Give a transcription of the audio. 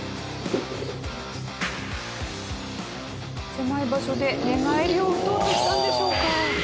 狭い場所で寝返りを打とうとしたんでしょうか？